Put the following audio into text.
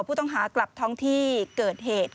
ผู้ต้องหากลับท้องที่เกิดเหตุ